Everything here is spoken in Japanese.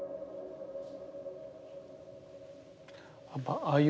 ああいうね